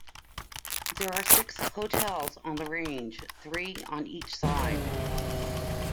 There are six "hotels" on the Range, three on each side.